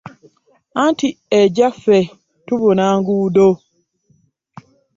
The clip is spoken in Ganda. Anti egyaffe tubuna nguudo .